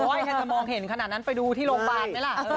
ใครจะมองเห็นขนาดนั้นไปดูที่โรงพยาบาลไหมล่ะ